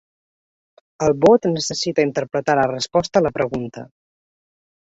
El bot necessita interpretar la resposta a la pregunta.